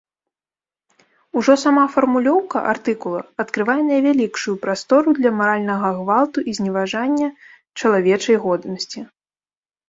Ужо сама фармулёўка артыкула адкрывае найвялікшую прастору для маральнага гвалту і зневажання чалавечай годнасці.